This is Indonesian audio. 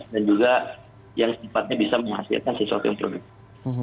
dan juga yang sempatnya bisa menghasilkan sesuatu yang produktif